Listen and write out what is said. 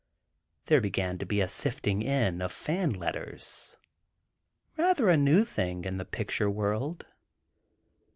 There began to be a sifting in of "fan" letters—rather a new thing in the picture world.